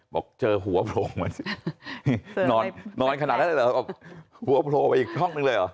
บอกเจอหัวโพลงเหมือนนอนขนาดนั้นแล้วหัวโพลงไปอีกห้องหนึ่งเลยเหรอ